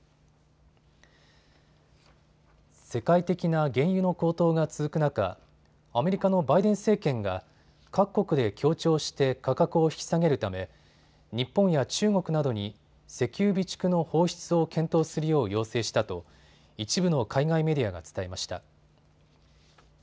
世界的な原油の高騰が続く中、アメリカのバイデン政権が各国で協調して価格を引き下げるため日本や中国などに石油備蓄の放出を検討するよう要請したと一部の海外メディアが伝えました。